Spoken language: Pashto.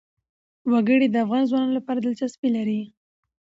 وګړي د افغان ځوانانو لپاره دلچسپي لري.